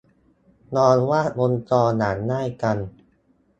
ลองวาดวงจรอย่างง่ายกัน